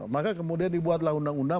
maka kemudian dibuatlah undang undang